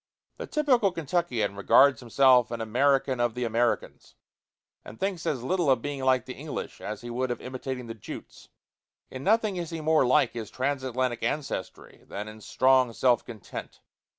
The typical Kentuckian regards himself an American of the Americans, and thinks as little of being like the English as he would of imitating the Jutes. In nothing is he more like his transatlantic ancestry than in strong self content.